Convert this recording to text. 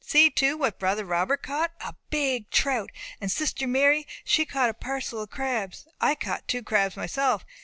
See, too, what brother Robert caught a big trout; and sister Mary, she caught a parcel of crabs; I caught two crabs myself.